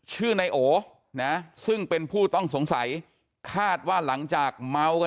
ชื่อนายโอนะซึ่งเป็นผู้ต้องสงสัยคาดว่าหลังจากเมากัน